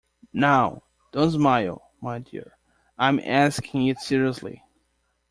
Now, don’t smile, my dear, I’m asking it seriously.